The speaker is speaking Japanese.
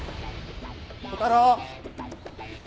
小太郎。